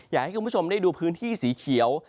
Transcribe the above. อยากให้คุณผู้ชมได้ดูพื้นที่สีเขียว